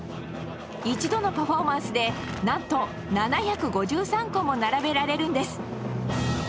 一度のパフォーマンスでなんと７５３個も並べられるんです！